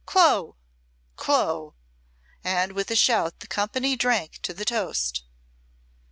Clo! Clo!" And with a shout the company drank to the toast.